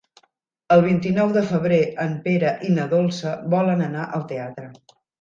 El vint-i-nou de febrer en Pere i na Dolça volen anar al teatre.